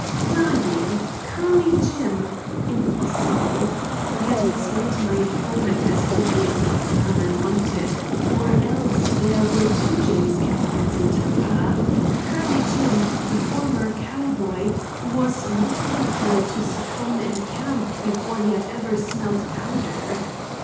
Dying! Curly Jim! Impossible. I had misled my informant as to the exact man I wanted, or else there were two James Calverts in Tampa. Curly Jim, the former cowboy, was not the fellow to succumb in camp before he had ever smelt powder.